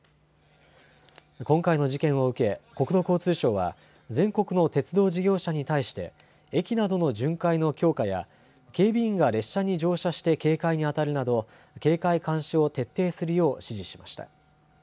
今回の事件を受け国土交通省は全国の鉄道事業者に対して駅などの巡回の強化や警備員が列車に乗車して警戒にあたるなど警戒監視を徹底するよう指示しました。